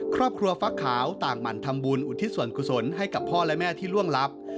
ครอบครัวฟักขาวต่างหมั่นทำบุญอุทิศส่วนกุศลให้กับพ่อและแม่ที่ล่วงลับ